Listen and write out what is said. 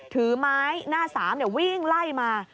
ถือไม้หน้าสามวิ่งไล่มา